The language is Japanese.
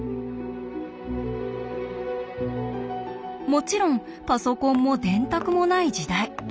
もちろんパソコンも電卓もない時代。